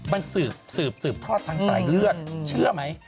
มันสืบทอดทางสายเลือดเชื่อไหม